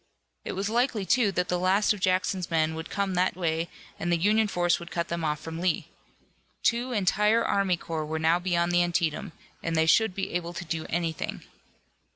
It was likely, too, that the last of Jackson's men would come that way and the Union force would cut them off from Lee. Two entire army corps were now beyond the Antietam, and they should be able to do anything.